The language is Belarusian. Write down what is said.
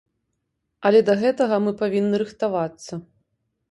Але да гэтага мы павінны рыхтавацца.